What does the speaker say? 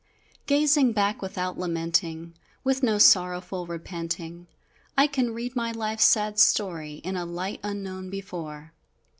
Gazing back without lamenting, With no sorrowful repenting, I can read my life's sad story In a light unknown before!